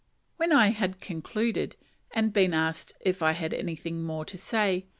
When I had concluded, and been asked "if I had anything more to say?"